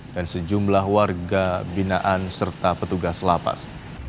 dan sejumlah warga binaan serta petugas lapas